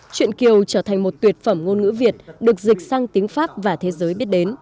chuyện kiều trở thành một tuyệt phẩm ngôn ngữ việt được dịch sang tiếng pháp và thế giới biết đến